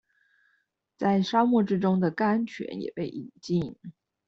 在沙漠之中的甘泉也被飲盡